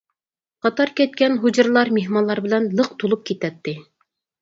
قاتار كەتكەن ھۇجرىلار مېھمانلار بىلەن لىق تولۇپ كېتەتتى.